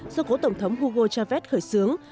do cổ tổng thống hugo chávez khởi xướng